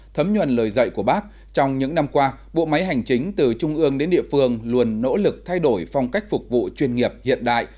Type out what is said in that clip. thấm nhuần lời dạy của bác trong những năm qua bộ máy hành chính từ trung ương đến địa phương luôn nỗ lực thay đổi phong cách phục vụ chuyên nghiệp hiện đại